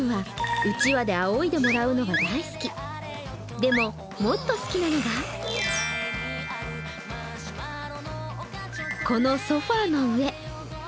でも、もっと好きなのが、このソファーの上。